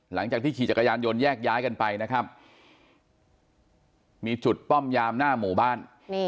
หลังจากที่ขี่จักรยานยนต์แยกย้ายกันไปนะครับมีจุดป้อมยามหน้าหมู่บ้าน